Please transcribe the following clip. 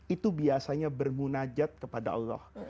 itu biasanya bermunajat kepada allah